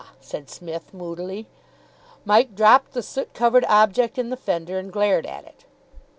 said Psmith moodily. Mike dropped the soot covered object in the fender, and glared at it.